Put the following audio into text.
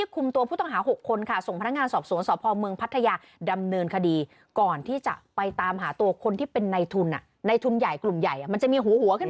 กลุ่มใหญ่มันจะมีหัวขึ้นไปอย่างนี้